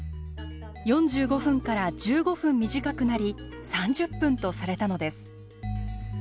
４５分から１５分短くなり３０分とされたのです。